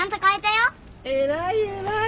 偉い偉い。